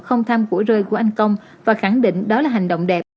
không tham củi rơi của anh công và khẳng định đó là hành động đẹp